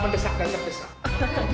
mendesak dan terdesak